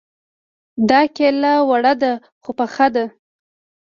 دا کيله وړه ده خو پخه ده